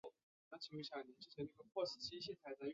圣日耳曼村人口变化图示